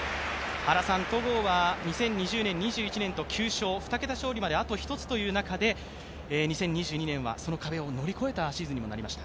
原さん、戸郷は２０２０年、２１年と９勝、２桁勝利まであと１つという中で２０２２年はその壁を乗り越えたシーズンにもなりました。